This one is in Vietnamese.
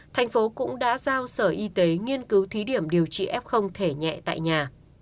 thành phố cũng đã giao sở y tế nghiên cứu thí điểm điều trị f thể nhẹ tại nhà